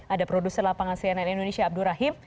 ada produser lapangan cnn indonesia abdur rahim